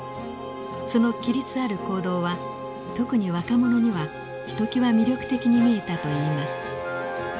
その規律ある行動は特に若者にはひときわ魅力的に見えたといいます。